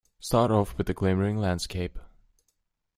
Start off with the glimmering landscape.